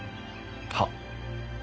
はっ。